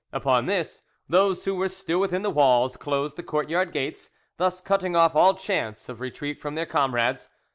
Upon this, those who were still within the walls closed the courtyard gates, thus cutting off all chance of retreat from their comrades.